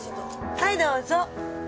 はいどうぞ。